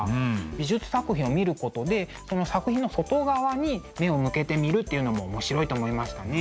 美術作品を見ることでその作品の外側に目を向けてみるっていうのも面白いと思いましたね。